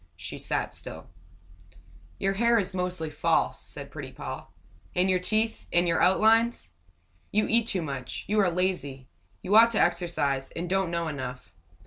She sat still. "Your hair is mostly false," said pretty Poll. "And your teeth and your outlines. You eat too much. You are lazy. You ought to exercise, and don't know enough.